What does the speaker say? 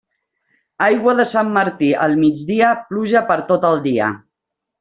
Aigua de Sant Martí al migdia, pluja per tot el dia.